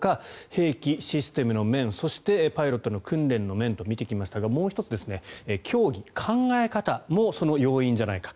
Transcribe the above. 兵器、システムの面そして、パイロットの訓練の面と見てきましたがもう１つ、教義、考え方もその要因じゃないか。